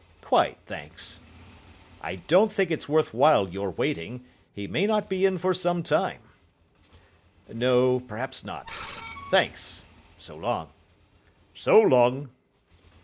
"Quite, thanks." "I don't think it's worth while your waiting. He may not be in for some time." "No, perhaps not. Thanks. So long." "So long."